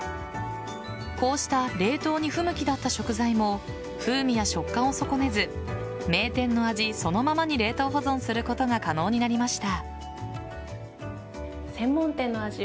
こうした冷凍に不向きだった食材も風味や食感を損ねず名店の味そのままに冷凍保存することが可能になりました。